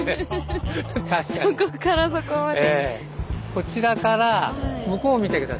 こちらから向こう見て下さい。